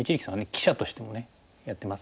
記者としてもやってますし。